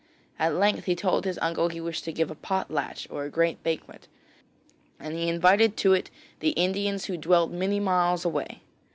At length he told his uncle he wished to give a pot latch or a great banquet, and he invited to it the Indians who dwelt many miles away.